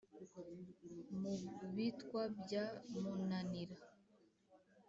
mu bitwa bya munanira.